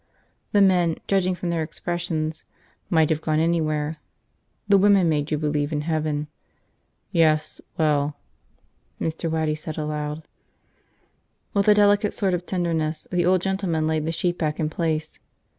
The men, judging from their expressions, might have gone anywhere. The women made you believe in heaven. "Yes. Well," Mr. Waddy said aloud. With a delicate sort of tenderness the old gentleman laid the sheet back in place.